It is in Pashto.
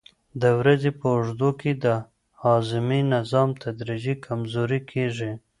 د ورځې په اوږدو کې د هاضمې نظام تدریجي کمزوری کېږي.